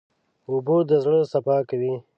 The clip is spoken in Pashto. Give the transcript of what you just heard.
اوبه د زړه صفا کوي.